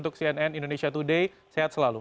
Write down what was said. untuk cnn indonesia today sehat selalu